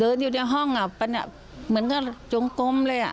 เดินอยู่ในห้องเหมือนนะคะจงก้มเลย